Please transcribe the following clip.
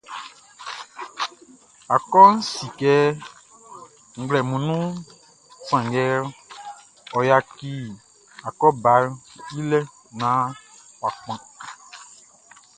Akɔʼn si kɛ nglɛmun nunʼn, sanngɛ ɔ yaci akɔbaʼn i lɛ naan ɔ kpan.